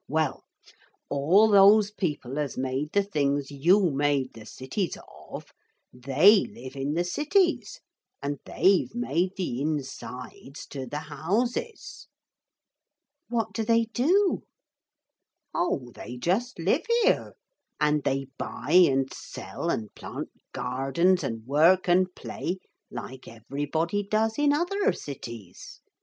Well, all those people as made the things you made the cities of, they live in the cities and they've made the insides to the houses.' 'What do they do?' 'Oh, they just live here. And they buy and sell and plant gardens and work and play like everybody does in other cities.